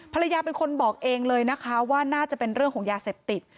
ภรรยาเป็นคนบอกเองเลยนะคะว่าน่าจะเป็นเรื่องของยาเสพติด